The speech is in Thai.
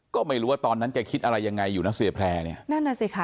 ก็ไม่รู้ว่าตอนนั้นแกคิดอะไรยังไงอยู่นะเสียแพร่เนี่ยนั่นน่ะสิค่ะ